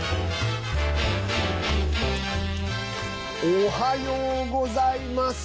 おはようございます。